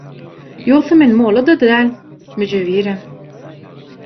Ýogsa men mollada däl, müjewirem.